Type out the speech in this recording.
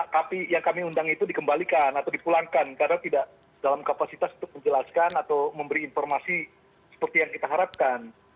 tapi yang kami undang itu dikembalikan atau dipulangkan karena tidak dalam kapasitas untuk menjelaskan atau memberi informasi seperti yang kita harapkan